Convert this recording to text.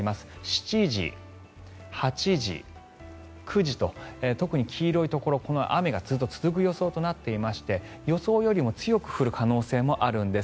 ７時、８時、９時と特に黄色いところ雨がずっと続く予想となっていまして予想よりも強く降る可能性もあるんです。